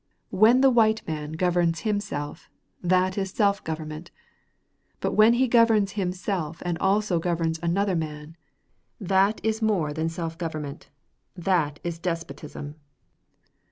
When the white man governs himself, that is self government; but when he governs himself and also governs another man, that is more than self government that is despotism.